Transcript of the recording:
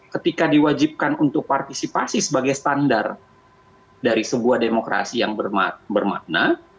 ketika diwajibkan untuk partisipasi sebagai standar dari sebuah demokrasi yang bermakna